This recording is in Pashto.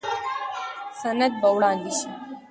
سند به وړاندې شي.